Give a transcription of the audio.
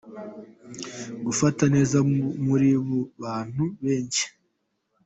Kugufata neza muri mu bantu benshi.